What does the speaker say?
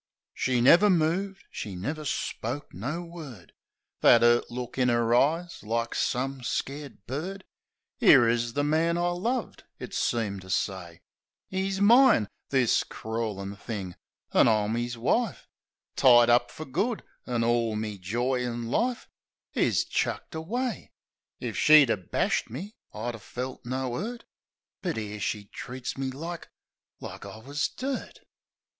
She never moved ; she never spoke no word ; That 'urt look in 'er eyes, like some scared bird: " 'Ere is the man I loved," it seemed to say. " 'E's mine, this crawlin' thing, an' I'm 'is wife ; Tied up fer good ; an' orl me joy in life Is chucked away!" If she 'ad bashed me I'd 'a' felt no 'urt! But 'ere she treats me like — like I wus dirt.